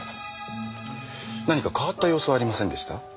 何か変わった様子はありませんでした？